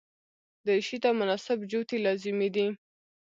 دریشي ته مناسب جوتي لازمي دي.